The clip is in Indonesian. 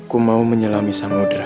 ku mau menyelami samudera